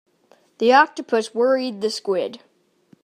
The octopus worried the squid.